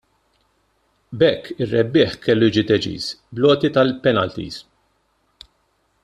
B'hekk ir-rebbieħ kellu jiġi deċiż bl-għoti tal-penalties.